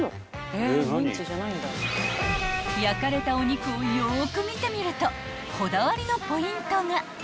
［焼かれたお肉をよく見てみるとこだわりのポイントが］